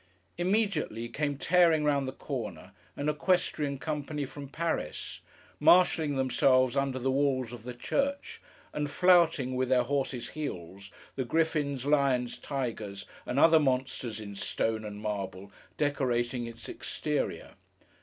Immediately, came tearing round the corner, an equestrian company from Paris: marshalling themselves under the walls of the church, and flouting, with their horses' heels, the griffins, lions, tigers, and other monsters in stone and marble, decorating its exterior.